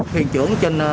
thuyền trưởng trên